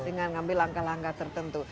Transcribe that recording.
dengan ngambil langkah langkah tertentu